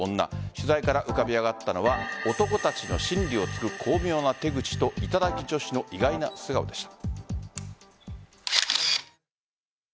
取材から浮かび上がったのは男たちの心理を突く巧妙な手口と頂き女子の意外な素顔でした。